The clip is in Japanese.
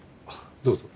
どうぞ。